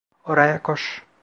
Oraya koş.